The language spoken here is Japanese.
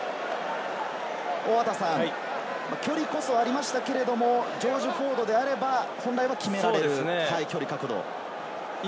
距離こそありましたけれども、ジョージ・フォードであれば本来は決められる距離、角度。